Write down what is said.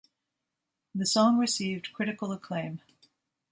The song received critical acclaim.